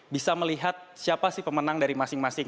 bisa melihat siapa sih pemenang dari masing masing